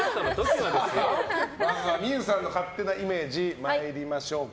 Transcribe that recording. まずは望結さんの勝手なイメージ参りましょうか。